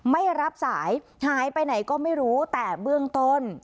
ไม่รับสายหายไปไหนก็ไม่รู้แต่เบื้องต้น